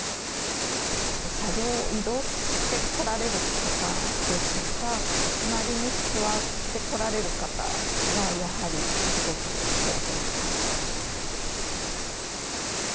車両を移動してこられる方ですとか、隣に座ってこられる方は、やはり、すごく恐怖に感じました。